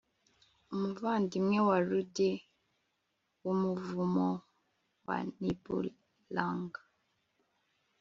Umuvandimwe wa ruddy wumuvumo wa Niblung